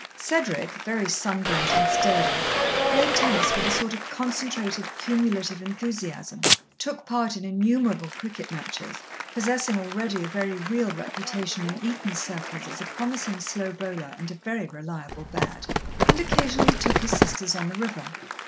Cedric, very sunburnt and sturdy, played tennis with a sort of concentrated, cumulative enthusiasm, took part in innumerable cricket matches possessing already a very real reputation in Eton circles as a promising slow bowler and a very reliable bat and occasionally took his sisters on the river.